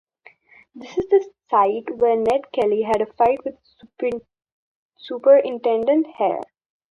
This is the site where Ned Kelly had a fight with Superintendent Hare.